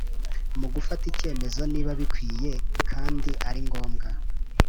Mu gufata icyemezo niba bikwiye kandi aringombwa